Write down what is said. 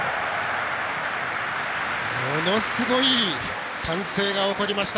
ものすごい歓声が起こりました。